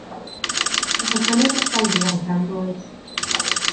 Nath o brynu blodau iddi ar 'i phen-blwydd.